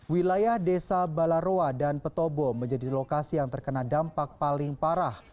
wilayah desa balaroa dan petobo menjadi lokasi yang terkena dampak paling parah